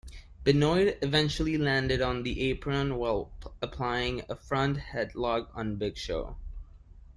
Benoit eventually landed on the apron while applying a front headlock on Big Show.